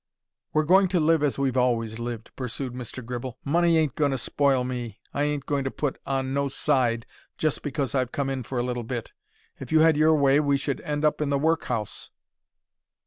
"We're going to live as we've always lived," pursued Mr. Gribble. "Money ain't going to spoil me. I ain't going to put on no side just because I've come in for a little bit. If you had your way we should end up in the workhouse."